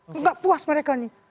tidak puas mereka ini